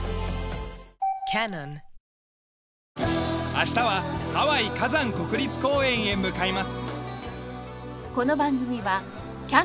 明日はハワイ火山国立公園へ向かいます。